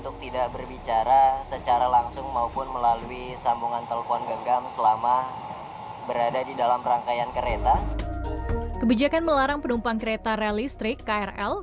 kebijakan melarang penumpang kereta rel listrik krl